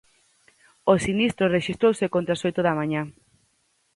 O sinistro rexistrouse contra as oito da mañá.